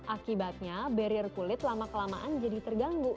akibatnya barrier kulit lama kelamaan jadi terganggu